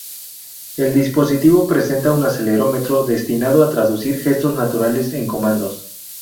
El dispositivo presenta un acelerómetro destinado a traducir gestos naturales en comandos.